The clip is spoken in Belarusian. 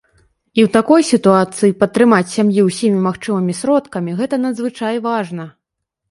І ў такой сітуацыі падтрымаць сям'ю ўсімі магчымымі сродкамі, гэта надзвычай важна!